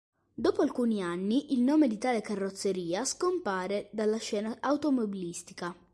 Dopo alcuni anni il nome di tale carrozzeria scomparve dalla scena automobilistica.